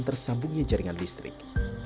tersambungnya jaringan listrik